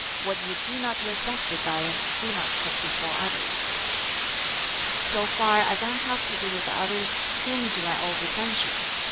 what you do not yourself desire, do not put before others." "So far as I have to do with others, whom do I over censure?